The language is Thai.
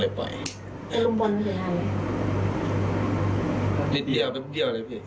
นิดเดียวนิดเดี๋ยวเลยพี่